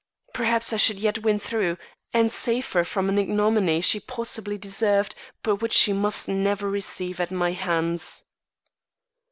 Perhaps I should yet win through and save her from an ignominy she possibly deserved but which she must never receive at my hands.